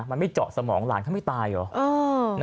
มันไม่เจาะสมองหลานเขาไม่ตายเหรอ